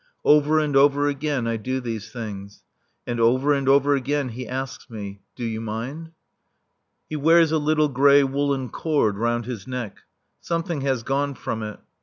Over and over again I do these things. And over and over again he asks me, "Do you mind?" He wears a little grey woollen cord round his neck. Something has gone from it.